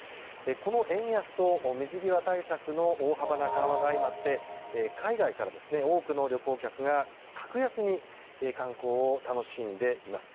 この円安と水際対策の大幅な緩和が相まって海外から多くの旅行客が格安に観光を楽しんでいます。